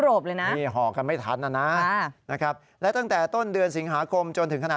โอ้โหไปถึงยุโรปเลยนะ